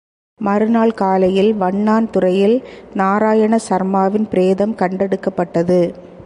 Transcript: மறுநாள் காலையில், வண்ணான் துறையில் நாராயண சர்மாவின் பிரேதம் கண்டெடுக்கப்பட்டது.